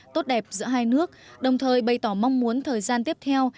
tốt đẹp giữa hai nước đồng thời bày tỏ mong muốn thời gian tiếp theo